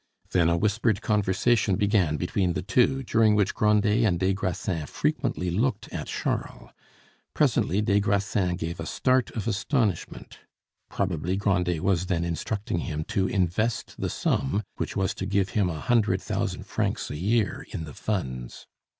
Then a whispered conversation began between the two, during which Grandet and des Grassins frequently looked at Charles. Presently des Grassins gave a start of astonishment; probably Grandet was then instructing him to invest the sum which was to give him a hundred thousand francs a year in the Funds.